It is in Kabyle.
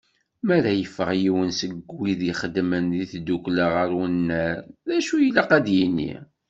Mi ara yeffeɣ yiwen seg wid ixeddmen di tiddukkla ɣer unnar, d acu i ilaq ad yini.